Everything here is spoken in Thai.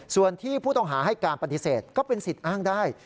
ส่วนที่ผู้ต้องหาให้การปฏิเสธก็เป็นสิทธิ์อ้างได้